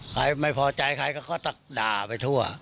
ใครไม่พอใจใครก็ตักด่าไปทั่ว